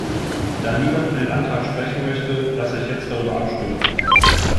Da niemand für den Antrag sprechen möchte, lasse ich jetzt darüber abstimmen.